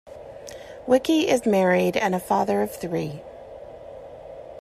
Wicki is married and a father of three.